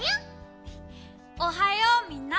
おはようみんな。